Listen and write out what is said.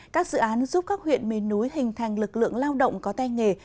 các dự án giúp các huyện miền núi hình thành lực lượng lao động có tay nghề